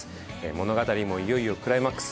物語もいよいよクライマックス。